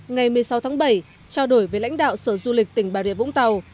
ngày một mươi sáu tháng bảy trao đổi với lãnh đạo sở du lịch tỉnh bà rịa vũng tàu